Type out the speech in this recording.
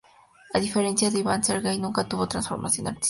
A diferencia de Iván, Sergey nunca tuvo una formación artística formal.